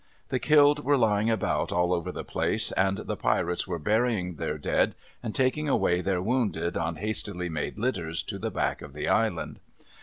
The killed were lying about all over the place, and the Pirates were burying their dead, and taking away their wounded on hastily made litters, to the back of the Island.